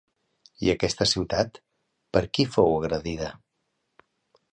I aquesta ciutat, per qui fou agredida?